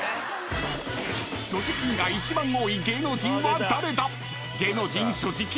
［所持金が一番多い芸能人は誰だ］